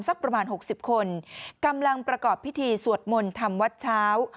สักประมาณ๖๐คนกำลังประกอบพิธีสวดมนต์ทำวัดเช้า